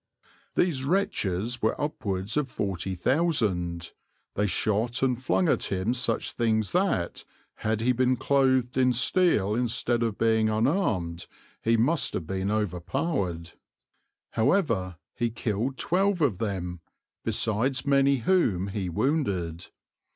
These wretches were upwards of forty thousand; they shot and flung at him such things that, had he been clothed in steel instead of being unarmed, he must have been overpowered; however, he killed twelve of them, besides many whom he wounded.